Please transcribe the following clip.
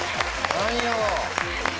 何よ。